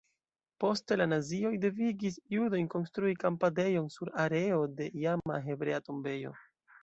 Poste la nazioj devigis judojn konstrui kampadejon sur areo de iama hebrea tombejo.